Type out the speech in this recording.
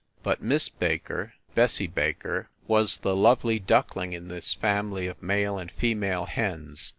But Miss Baker Bessie Baker was the lovely duckling in this family of male and female hens.